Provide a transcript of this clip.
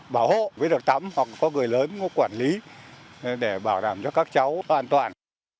bảo hộ mới được tắm hoặc có người lớn có quản lý để bảo đảm cho các cháu an toàn